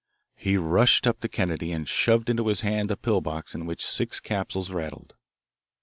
He rushed up to Kennedy and shoved into his hand a pill box in which six capsules rattled.